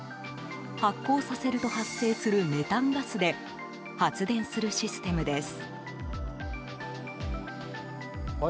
発酵させると発生するメタンガスで発電するシステムです。